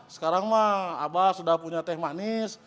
sekarang mah abah sudah punya teh manis